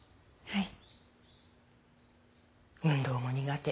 はい。